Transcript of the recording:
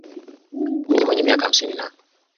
Mwinyi mwenye miaka hamsini na tatu ni kijana mwenye nguvu